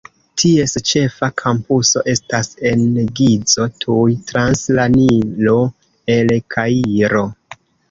Ties ĉefa kampuso estas en Gizo, tuj trans la Nilo el Kairo.